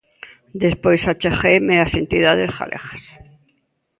Despois achegueime ás entidades galegas.